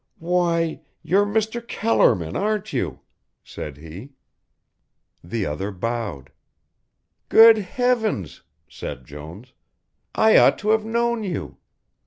"Why, you're Mr. Kellerman, aren't you?" said he. The other bowed. "Good heavens," said Jones, "I ought to have known you.